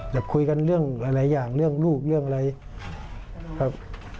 อยากคุยกันเรื่องหลายอย่างเรื่องลูกเรื่องอะไรครับ